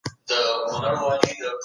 شتمند خلګ په خپلو ګټو پسې ګرځي.